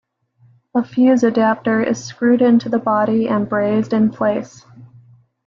A fuze adapter is screwed into the body and brazed in place.